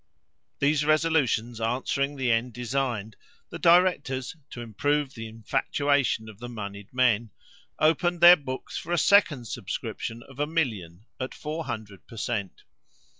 These resolutions answering the end designed, the directors, to improve the infatuation of the monied men, opened their books for a second subscription of a million, at four hundred per cent.